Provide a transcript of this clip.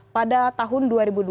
pada tahun dua ribu dua puluh